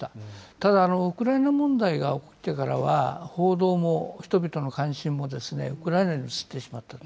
ただ、ウクライナ問題が起きてからは、報道も人々の関心もですね、ウクライナに移ってしまったと。